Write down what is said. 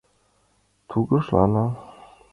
Тургыжлана.